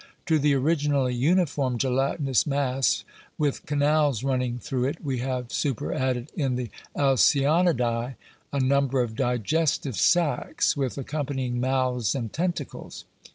To the originally uniform gelatinous mass with canals running through it, we have superadded, in the Alcyonida, a number of digestive sacks, with accompanying mouths and tentacles.